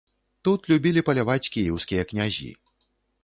Тут любілі паляваць кіеўскія князі.